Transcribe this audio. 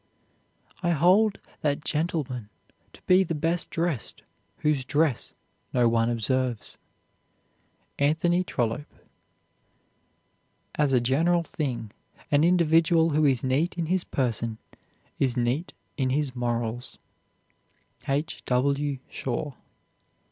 I hold that gentleman to be the best dressed whose dress no one observes. ANTHONY TROLLOPE. As a general thing an individual who is neat in his person is neat in his morals. H. W. SHAW.